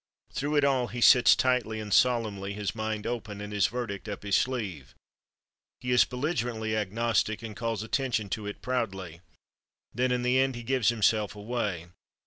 Through it all he sits tightly and solemnly, his mind open and his verdict up his sleeve. He is belligerently agnostic, and calls attention to it proudly.... Then, in the end, he gives himself away.